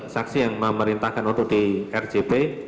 saksi yang memerintahkan untuk di rjp